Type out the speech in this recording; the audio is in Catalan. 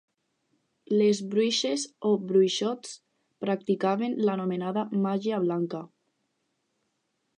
Les bruixes o bruixots practicaven l'anomenada màgia blanca.